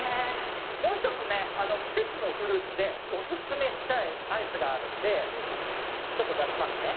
もう一つね、季節のフルーツでお勧めしたいアイスがあるんで、ちょっと出しますね。